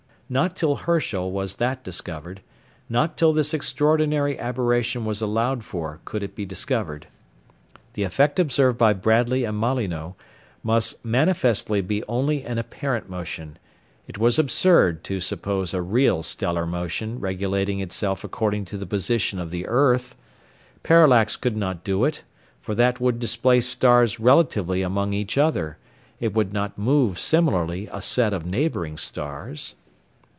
Not till Herschel was that discovered; not till this extraordinary aberration was allowed for could it be discovered. The effect observed by Bradley and Molyneux must manifestly be only an apparent motion: it was absurd to suppose a real stellar motion regulating itself according to the position of the earth. Parallax could not do it, for that would displace stars relatively among each other it would not move similarly a set of neighbouring stars.